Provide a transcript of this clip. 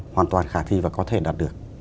hoàn toàn khả thi và có thể đạt được